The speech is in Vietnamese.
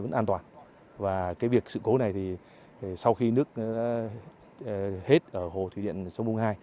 vẫn an toàn và cái việc sự cố này thì sau khi nước hết ở hồ thủy điện sông bung hai